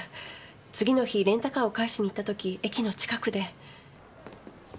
次の日レンタカーを返しに行った時駅の近くで。